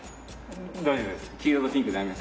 大丈夫です。